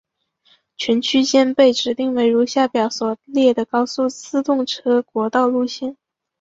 全区间被指定为如下表所列的高速自动车国道路线。